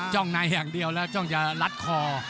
ในอย่างเดียวแล้วจ้องจะลัดคอ